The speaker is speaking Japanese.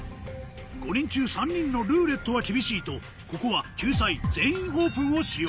５人中３人の「ルーレット」は厳しいとここは救済「全員オープン」を使用